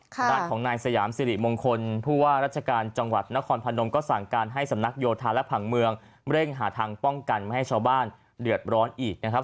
ทางด้านของนายสยามสิริมงคลผู้ว่าราชการจังหวัดนครพนมก็สั่งการให้สำนักโยธาและผังเมืองเร่งหาทางป้องกันไม่ให้ชาวบ้านเดือดร้อนอีกนะครับ